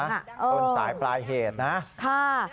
คนสายปลายเหตุนะ